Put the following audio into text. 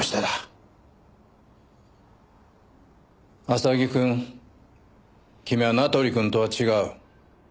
浅木くん君は名取くんとは違う。